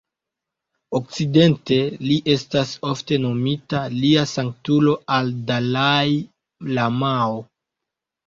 Okcidente, li estas ofte nomita "Lia Sanktulo la Dalai-lamao".